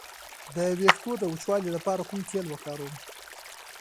د ویښتو د وچوالي لپاره کوم تېل وکاروم؟